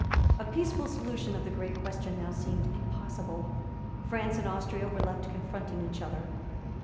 A peaceful solution of the great question now seemed impossible. France and Austria were left confronting each other.